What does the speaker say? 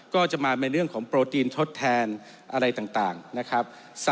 ก็จะมาในเรื่องของโปรตีนทดแทนอะไรต่างนะครับ